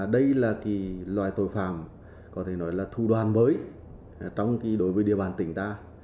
đây là loài tội phạm có thể nói là thủ đoàn mới đối với địa bàn tỉnh ta